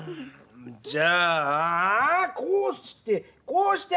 じゃあこうしてこうして。